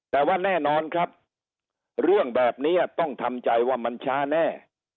แต่ว่าแน่นอนครับเรื่องแบบนี้ต้องทำใจว่ามันช้าแน่